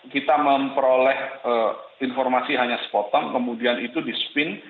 kita memperoleh informasi hanya sepotong kemudian itu di spin